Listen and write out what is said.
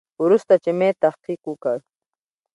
وروسته چې مې تحقیق وکړ.